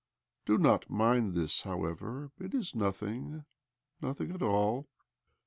..^' Do not mind this, however. It is nothirig —nothing at all."